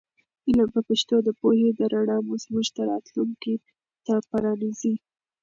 علم په پښتو د پوهې د رڼا زموږ راتلونکي ته پرانیزي.